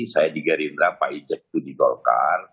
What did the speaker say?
saya di gerindra pak hijab itu di golkar